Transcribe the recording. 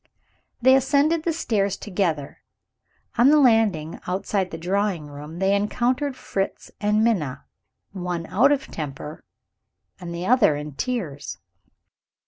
They ascended the stairs together. On the landing outside the drawing room, they encountered Fritz and Minna one out of temper, and the other in tears.